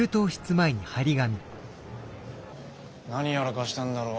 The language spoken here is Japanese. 何やらかしたんだろう。